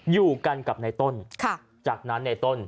อยู่กันกับในต้นจากนั้นในต้น